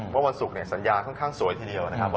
ว่าวันศุกร์สัญญาณค่อนข้างสวยทีเดียวนะครับ